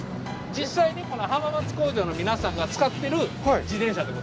実際にこの浜松工場の皆さんが使ってる自転車でございます。